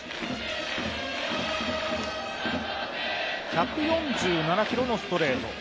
１４７キロのストレート。